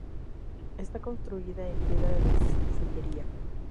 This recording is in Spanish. Está construida en piedra de sillería.